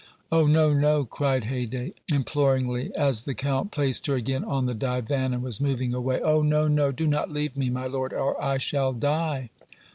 "Oh! no, no," cried Haydée, imploringly, as the Count placed her again on the divan and was moving away. "Oh! no, no; do not leave me, my lord, or I shall die!"